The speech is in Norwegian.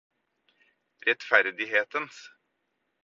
rettferdighetens